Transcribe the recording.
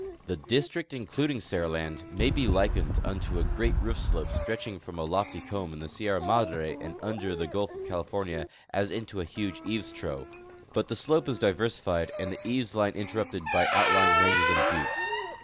The district including Seriland may' be likened unto a great roof slojie stretching from a lofty^ comb in the Sierra Madre to and under the gulf of California as into a huge eaves trough ; but the slope is diversified and the eaves line interrupted b.y outlying ranges and buttes.